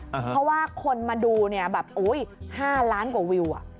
เพราะว่าคนมาดูแบบโอ๊ย๕ล้านกว่าวิว